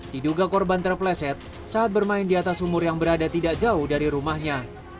diduga korban terpleset saat bermain di atas sumur yang berada tidak jauh dari rumahnya